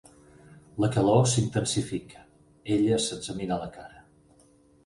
La calor s'intensifica; ella s'examina la cara.